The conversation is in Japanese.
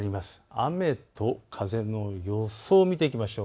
雨と風の予想を見ていきましょう。